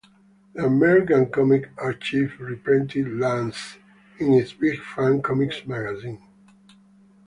The American Comics Archive reprinted "Lance" in its "Big Fun" comics magazine.